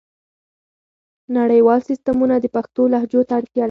نړیوال سیسټمونه د پښتو لهجو ته اړتیا لري.